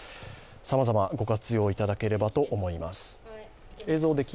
さまざま、ご活用いただければと思います。